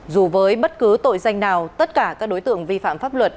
dù với bất cứ tội danh nào tất cả các đối tượng vi phạm pháp luật